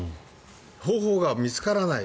方法が見つからない。